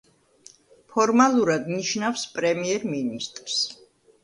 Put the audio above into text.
ფორმალურად ნიშნავს პრემიერ-მინისტრს.